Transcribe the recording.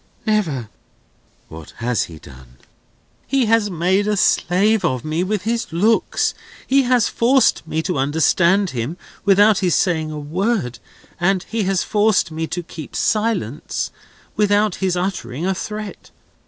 Never." "What has he done?" "He has made a slave of me with his looks. He has forced me to understand him, without his saying a word; and he has forced me to keep silence, without his uttering a threat.